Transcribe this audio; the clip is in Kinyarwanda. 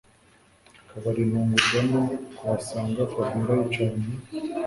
akabari ntungurwa no kuhasanga Fabiora yicaranye